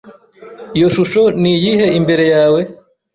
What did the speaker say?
Iyo shusho niyihe imbere yawe?